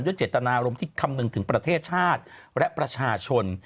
เจตนารมณ์ที่คำนึงถึงประเทศชาติและประชาชน